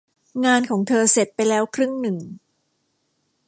งานของเธอเสร็จไปแล้วครึ่งหนึ่ง